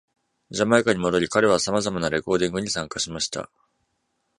ジャマイカに戻り、彼はさまざまレコーディングに参加しました。